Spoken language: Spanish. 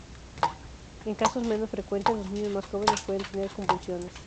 En casos menos frecuentes, los niños más jóvenes pueden tener convulsiones.